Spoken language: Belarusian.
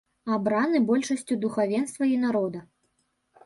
Абраны большасцю духавенства і народа.